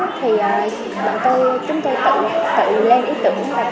chúng tôi tự lên ý tưởng và tự trang trí hết